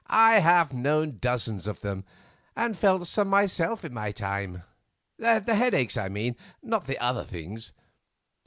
I have known dozens of them, and felt some myself in my time—the headaches, I mean, not the other things.